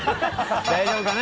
大丈夫かな？